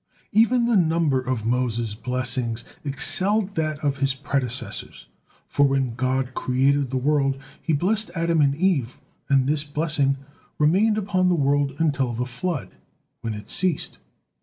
Even the number of Moses' blessings excelled that of his predecessors. For when God created the world, He blessed Adam and Eve, and this blessing remained upon the world until the flood, when it ceased.